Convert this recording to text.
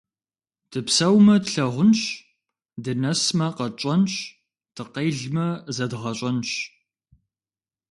Дыпсэумэ - тлъагъунщ, дынэсмэ – къэтщӏэнщ, дыкъелмэ – зэдгъэщӏэнщ.